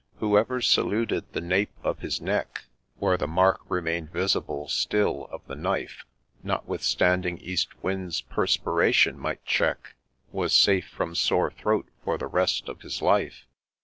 Whoever saluted the nape of his neck, Where the mark remained visible still of the knife, Notwithstanding east winds perspiration might check, Was safe from sore throat for the rest of his life.